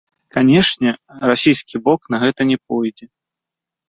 Канечне, расійскі бок на гэта не пойдзе.